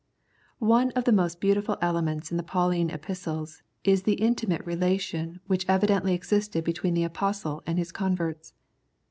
One of the most beautiful elements in the Pauline Epistles is the intimate relation which evidently existed between the Apostle and his converts.